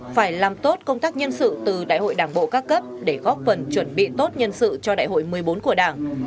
phải làm tốt công tác nhân sự từ đại hội đảng bộ các cấp để góp phần chuẩn bị tốt nhân sự cho đại hội một mươi bốn của đảng